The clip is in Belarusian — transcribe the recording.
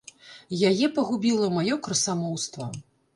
Яе пагубіла маё красамоўства.